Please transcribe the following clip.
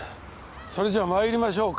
それじゃあまいりましょうか。